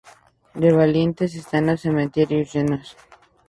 De valientes, están los cementerios llenos